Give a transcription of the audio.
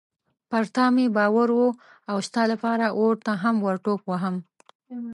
پر تا مې باور و او ستا لپاره اور ته هم ورټوپ وهم.